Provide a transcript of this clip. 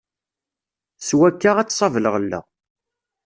S wakka, ad tṣab lɣella.